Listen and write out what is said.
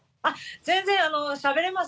全然、しゃべれます。